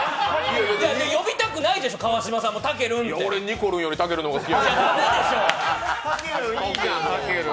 呼びたくないでしょう川島さんも俺、にこるんよりたけるんが好き。